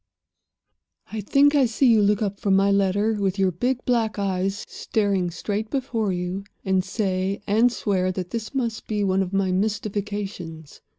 "I think I see you look up from my letter, with your big black eyes staring straight before you, and say and swear that this must be one of my mystifications.